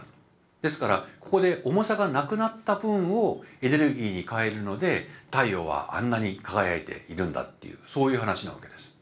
ですからここで重さがなくなった分をエネルギーに変えるので太陽はあんなに輝いているんだっていうそういう話なわけです。